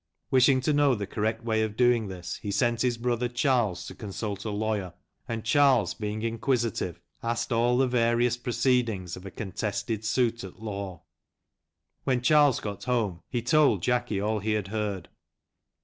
Wishing to know the correct way of doing this, he sent his brother Charles to consult a lawyer, and Charles, being inquisitive, asked all THE CHILDREN OF TIM BOBBIN. 125 the various proceedings of a contested suit at law. When Charles got home he told Jacky all he had heard.